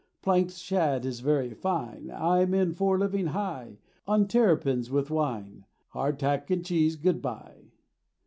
Planked shad is very fine; I'm in for living high, On terrapins with wine; Hard tack and cheese, good bye!